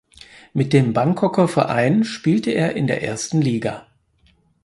Mit dem Bangkoker Verein spielte er in der ersten Liga.